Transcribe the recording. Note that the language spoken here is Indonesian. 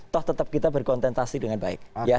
toh tetap kita berkontentasi dengan baik